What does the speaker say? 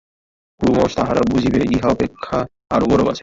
ক্রমশ তাহারা বুঝিবে, ইহা অপেক্ষা আরও গৌরব আছে।